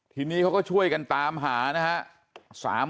ทีนี้เขาก็ช่วยกันตามหานะครับ